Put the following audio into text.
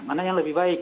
mana yang lebih baik